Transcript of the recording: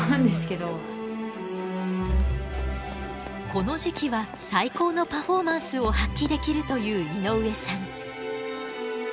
この時期は最高のパフォーマンスを発揮できるという井上さん。